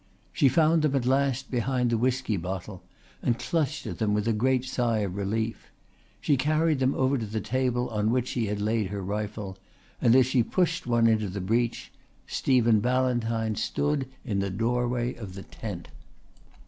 She found them at last behind the whisky bottle, and clutched at them with a great sigh of relief. She carried them over to the table on which she had laid her rifle, and as she pushed one into the breech, Stephen Ballantyne stood in the doorway of the tent.